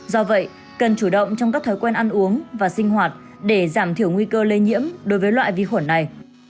do vậy cần chủ động trong các thói quen ăn uống và sinh hoạt để giảm thiểu nguy cơ lây nhiễm đối với loại vi khuẩn này